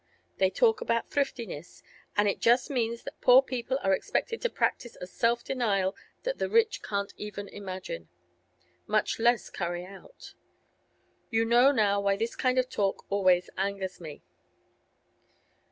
They talk about thriftiness, and it just means that poor people are expected to practise a self denial that the rich can't even imagine, much less carry out. You know now why this kind of talk always angers me.